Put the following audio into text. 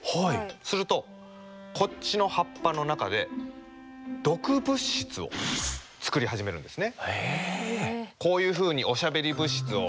するとこっちの葉っぱの中で毒物質を作り始めるんですね。